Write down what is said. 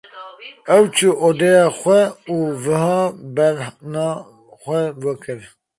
Ew çû odeya xwe û wiha bêhna xwe vekir.